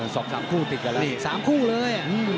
สระมหนึ่ง๓คู่สร้างไปไปเลย